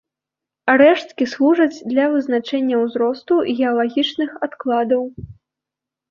Рэшткі служаць для вызначэння ўзросту геалагічных адкладаў.